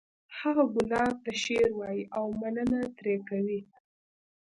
هغه ګلاب ته شعر وایی او مننه ترې کوي